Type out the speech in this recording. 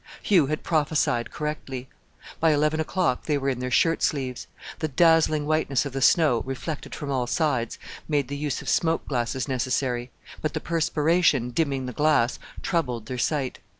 Hugh had prophesied correctly. By eleven o'clock they were in their shirt sleeves. The dazzling whiteness of the snow, reflected from all sides, made the use of smoke glasses necessary; but the perspiration, dimming the glass, troubled their sight.